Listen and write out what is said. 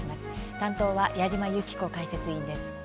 担当は矢島ゆき子解説委員です。